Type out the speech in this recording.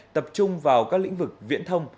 tập trung vào các lĩnh vực viễn thông